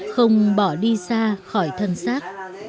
không bỏ đi xa khỏi thân xác